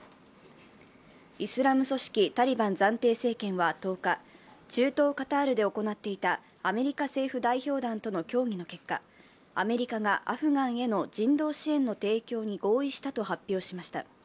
イスラム組織タリバン暫定政権は１０日中東カタールで行っていたアメリカ政府代表団との協議の結果アメリカがアフガンへの人道支援の提供に合意したと発表しました。